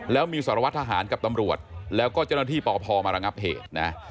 แล้วมีสารวัตรทหารกับตำรวจแล้วก็เจ้าหน้าที่ปพมาระงับเหตุนะ